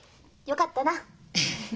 よかったな。